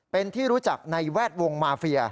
เป็นที่รู้จักในแวดวงมาเฟีย